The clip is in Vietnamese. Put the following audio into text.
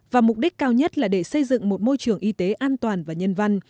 và mục đích cao nhất là để xây dựng một môi trường y tế an toàn và nhân văn